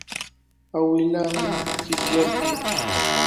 Awilaami qishyarqun.